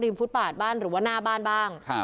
ฟุตบาทบ้านหรือว่าหน้าบ้านบ้าง